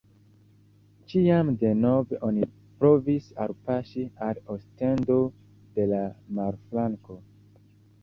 Ĉiam denove oni provis alpaŝi al Ostendo de la marflanko.